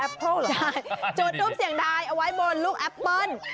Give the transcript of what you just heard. แอปเปิ้ลเหรอครับจุดทุบเสียงทายเอาไว้บนลูกแอปเปิ้ล